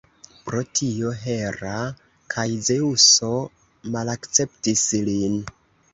Pro tio, Hera kaj Zeŭso malakceptis lin.